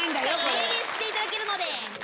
命令していただけるので。